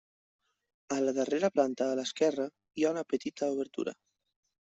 A la darrera planta a l'esquerra hi ha una petita obertura.